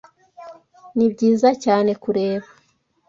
Nibyiza cyane kureba.